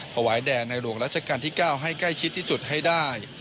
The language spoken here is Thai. แด่ในหลวงราชการที่๙ให้ใกล้ชิดที่สุดให้ได้